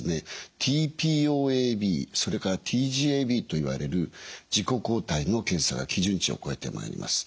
ＴＰＯＡｂそれからＴｇＡｂといわれる自己抗体の検査が基準値を超えてまいります。